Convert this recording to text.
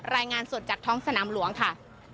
รายงานสดจากท้องสนามหลวงค่ะ